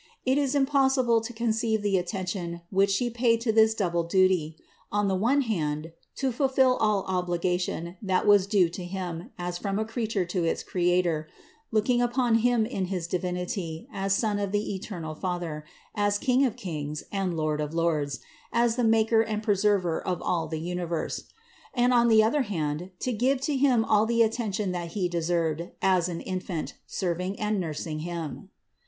It is impossible to conceive the attention which She paid to this double duty; on the one hand, to fulfill all obligation that was due to Him as from a creature to its Creator, looking upon Him in his Divinity, as Son of the eternal Father, as King of kings, and Lord of lords, as the Maker and Preserver of all the universe ; and on the other hand, to give to Him all the. attention that He deserved as an Infant, serving Him and nursing Him.